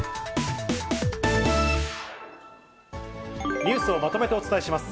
ニュースをまとめてお伝えします。